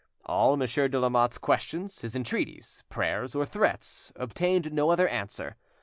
All Monsieur de Lamotte's questions, his entreaties, prayers, or threats, obtained no other answer.